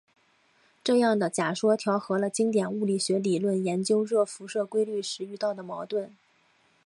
这样的假说调和了经典物理学理论研究热辐射规律时遇到的矛盾。